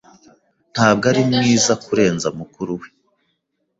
Ntabwo ari mwiza kurenza mukuru we.